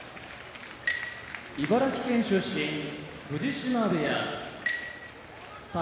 茨城県出身藤島部屋宝